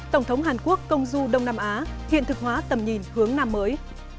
tổng thống hàn quốc công du đông nam á hiện thực hóa tầm nhìn hướng nam mới